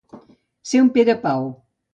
Ser un Pere Pau.